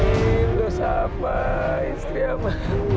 istri adik dosa apa istri apa